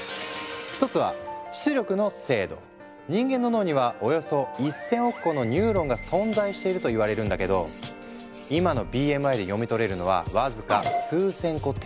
一つは人間の脳にはおよそ１，０００億個のニューロンが存在しているといわれるんだけど今のＢＭＩで読み取れるのは僅か数千個程度。